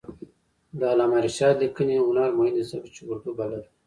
د علامه رشاد لیکنی هنر مهم دی ځکه چې اردو بلد دی.